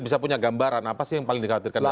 bisa punya gambaran apa sih yang paling dikhawatirkan